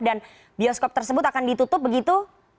dan bioskop tersebut akan ditutup begitu